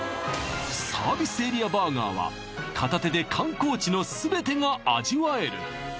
サービスエリアバーガーは片手で観光地の全てが味わえる